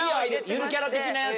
ゆるキャラ的なやつ？